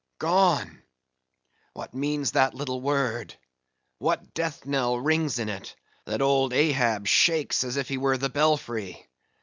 —gone? What means that little word?—What death knell rings in it, that old Ahab shakes as if he were the belfry.